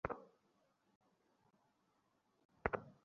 যেসব ব্যক্তি টাকা আদায় করছেন, তাঁদের বিরুদ্ধে অবশ্যই ব্যবস্থা নেওয়া হবে।